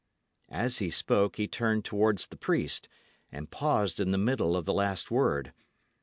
As he spoke, he turned towards the priest, and paused in the middle of the last word.